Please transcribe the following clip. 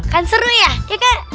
kan seru ya ya kan